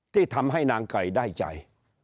ที่ทำให้นางไก่ได้ใจ